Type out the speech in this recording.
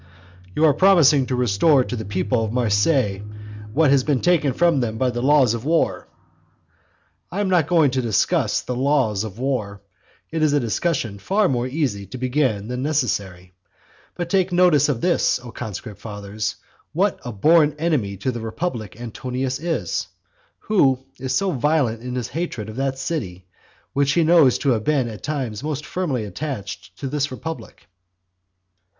"You are promising to restore to the people of Marseilles what has been taken from them by the laws of war." I am not going to discuss the laws of war. It is a discussion far more easy to begin than necessary. But take notice of this, O conscript fathers, what a born enemy to the republic Antonius is, who is so violent in his hatred of that city which he knows to have been at all times most firmly attached to this republic.